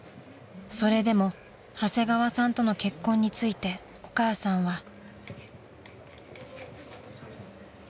［それでも長谷川さんとの結婚についてお母さんは］